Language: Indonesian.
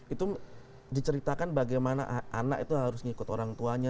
itu diceritakan bagaimana anak itu harus ngikut orang tuanya